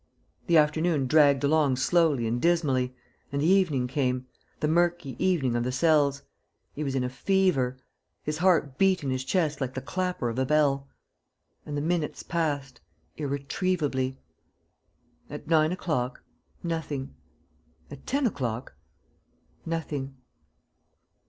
The afternoon dragged along slowly and dismally, and the evening came, the murky evening of the cells. ... He was in a fever. His heart beat in his chest like the clapper of a bell. And the minutes passed, irretrievably. ... At nine o'clock, nothing. At ten o'clock, nothing.